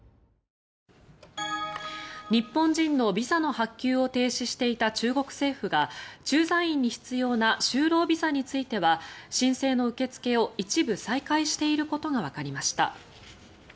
日本人のビザの発給を停止していた中国政府が駐在員に必要な就労ビザについては申請の受け付けを一部再開していることがわかりました。